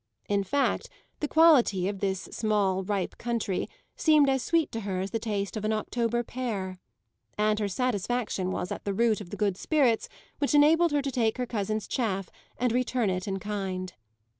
In fact, the quality of this small ripe country seemed as sweet to her as the taste of an October pear; and her satisfaction was at the root of the good spirits which enabled her to take her cousin's chaff and return it in kind.